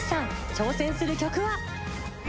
挑戦する曲は。